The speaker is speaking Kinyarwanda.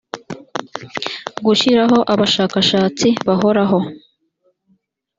gushyiraho abashakashatsi bahoraho